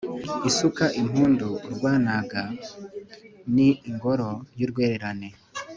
Isuka impundu urwanaga, Ni ingoro y'urwererane